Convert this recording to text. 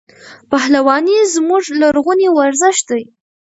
پهلواني زموږ لرغونی ورزش دی.